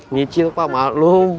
ngicil pak malum